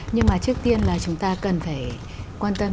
nhưng mà trước tiên là chúng ta cần phải quan tâm